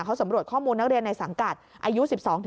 เขาสำรวจข้อมูลนักเรียนในสังกัดอายุ๑๒